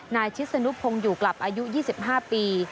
ชิศนุพงศ์อยู่กลับอายุ๒๕ปี